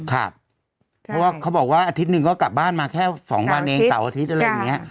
เพราะว่าเขาบอกว่าอาทิตย์หนึ่งก็กลับบ้านมาแค่๒วันเองเสาร์อาทิตย์อะไรอย่างนี้